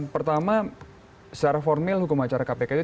pertama secara formil hukum acara kpk itu